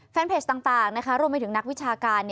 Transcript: แฟนเพจต่างรวมไปถึงนักวิชาการ